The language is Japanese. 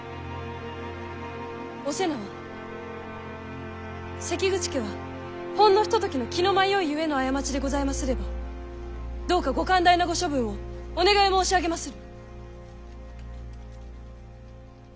お瀬名は関口家はほんのひとときの気の迷いゆえの過ちでございますればどうかご寛大なご処分をお願い申し上げまする。